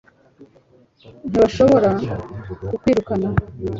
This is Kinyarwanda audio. ntibashobora kukwirukana